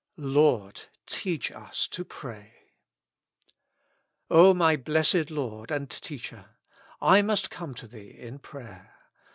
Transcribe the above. "Lord, teach us to pray." O my Blessed Lord and Teacher ! I must come to Thee in prayer.